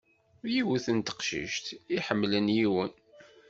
Yiwet n teqcict iḥemmlen yiwen.